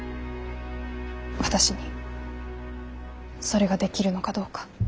私にそれができるのかどうか。